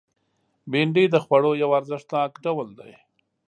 بېنډۍ د خوړو یو ارزښتناک ډول دی